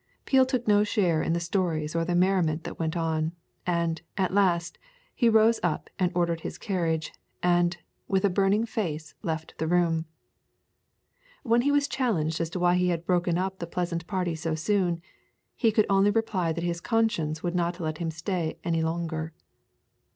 Peel took no share in the stories or the merriment that went on, and, at last, he rose up and ordered his carriage, and, with a burning face, left the room. When he was challenged as to why he had broken up the pleasant party so soon, he could only reply that his conscience would not let him stay any longer.